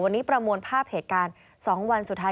วันนี้ประมวลภาพเหตุการณ์๒วันสุดท้าย